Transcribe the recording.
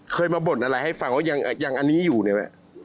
เคยมาบ่นอะไรให้ฟังว่ายังอันนี้อยู่เนี่ยไหม